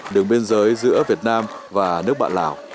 đường biên giới giữa việt nam và nước bạn lào